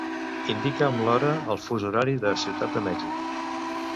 Indica'm l'hora al fus horari de Ciutat de Mèxic.